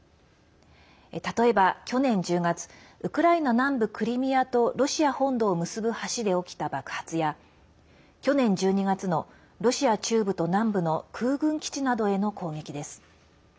例えば、去年１０月ウクライナ南部クリミアとロシア本土を結ぶ橋で起きた爆発や去年１２月のロシア中部と南部の空軍基地などへの攻撃です。